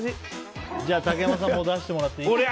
じゃあ竹山さんもう出してもらっていい？